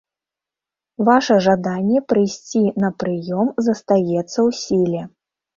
Ваша жаданне прыйсці на прыём застаецца ў сіле.